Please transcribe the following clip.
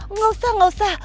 ah gak usah gak usah